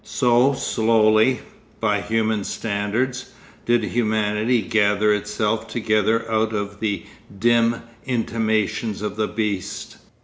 So slowly, by human standards, did humanity gather itself together out of the dim intimations of the beast.